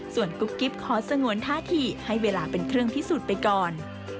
ส่วนกุ๊กกิ๊บขอสงวนท่าทีให้เวลาเป็นเครื่องพิสูจน์ไปก่อน